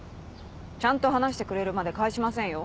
ちゃんと話してくれるまで帰しませんよ。